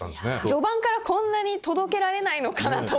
序盤からこんなに届けられないのかなと。